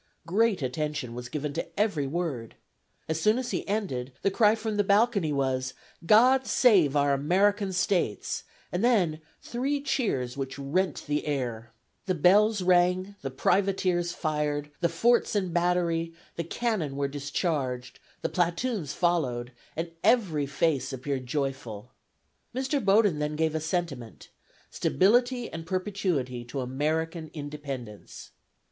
Great attention was given to every word. As soon as he ended, the cry from the balcony was, 'God save our American States,' and then three cheers which rent the air. The bells rang, the privateers fired, the forts and batteries, the cannon were discharged, the platoons followed, and every face appeared joyful. Mr. Bowdoin then gave a sentiment, 'Stability and perpetuity to American independence.'